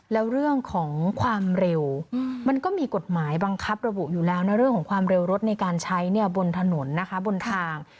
แล้วเรื่องของความเร็วมันก็มีกฎหมายบังคับระบุอยู่แล้วนะเรื่องของความเร็วรถในการใช้เนี่ยบนถนนนะคะบนทาง